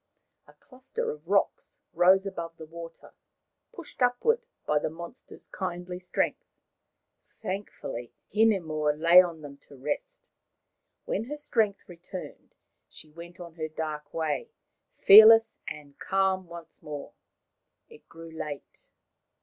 A cluster of rocks rose above the water, pushed upward by the monster's kindly strength. Thank fully Hinemoa lay on them to rest. 242 Maoriland Fairy Tales When her strength returned she went on her dark way, fearless and calm once more. It grew late.